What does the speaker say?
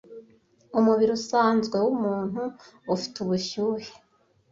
Umubiri usanzwe wumuntu ufite ubushyuhe